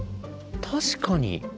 確かに。